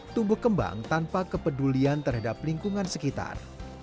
tumbuh kembang tanpa kepedulian terhadap lingkungan sekitar